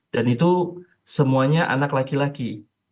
dan itu semuanya anak laki laki